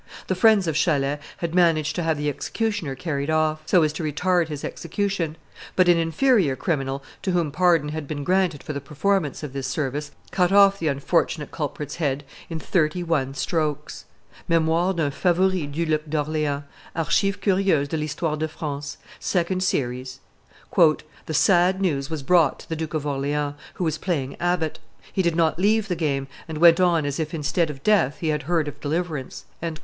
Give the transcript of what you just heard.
The friends of Chalais had managed to have the executioner carried off, so as to retard his execution; but an inferior criminal, to whom pardon had been granted for the performance of this service, cut off the unfortunate culprit's head in thirty one strokes. [Memoires d'un Favori du Duc d' Orleans (Archives curieuses de l'Histoire de France), 2d series, t. iii.] "The sad news was brought to the Duke of Orleans, who was playing abbot; he did not leave the game, and went on as if instead of death he had heard of deliverance."